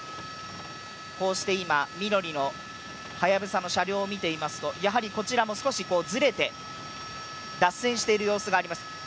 こうして今、緑のはやぶさの車両を見ていますと、やはりこちらも少しずれて脱線している様子があります。